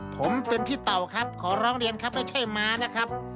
ผมเป็นพี่เตาครับขอร้องเรียนรับมานะครับ